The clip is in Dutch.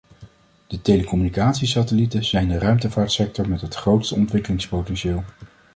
De telecommunicatiesatellieten zijn de ruimtevaartsector met het grootste ontwikkelingspotentieel.